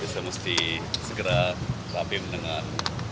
saya mesti segera rapim dengan